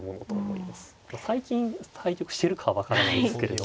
最近対局しているかは分からないですけれど。